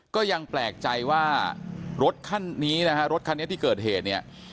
ก็ยังแปลกใจว่ารถคันนี้นะฮะรถคันนี้ที่เกิดเหตุเนี่ย